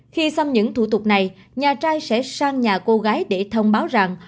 khi xem những thủ tục này nhà trai sẽ sang nhà cô gái để thông báo rằng